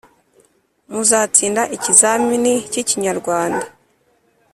muzatsinda ikizamini k’ikinyarwanda